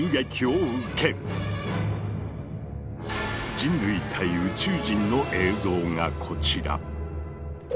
人類対宇宙人の映像がこちら！